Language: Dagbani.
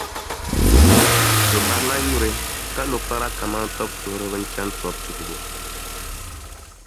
Bɛ barila yuri, ka lo kpara kaman tɔbutuhira n-chani tɔbu tuhibu.